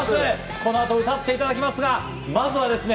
この後、歌っていただきますが、まずは。